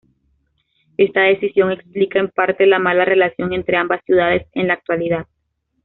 Esta decisión explica en parte la mala relación entre ambas ciudades en la actualidad.